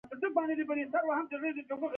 احمده! زما خبره دې په غوږو کې نيولې ده؟